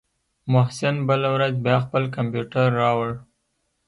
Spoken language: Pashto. محسن بله ورځ بيا خپل کمپيوټر راوړ.